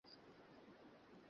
না, সেই গল্প আরেক রাতে বলব।